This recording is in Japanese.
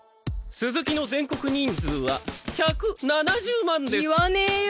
鈴木の全国人数は１７０万です言わねえよ！